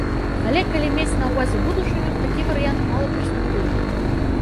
Але калі мець на ўвазе будучыню, такі варыянт малаперспектыўны.